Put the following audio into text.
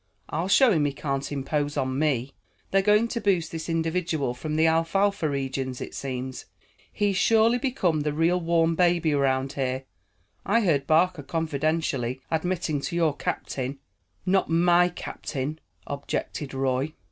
"I'll show him he can't impose on me." "They're going to boost this individual from the alfalfa regions, it seems. He's surely become the real warm baby around here. I heard Barker confidentially admitting to your captain " "Not my captain," objected Roy.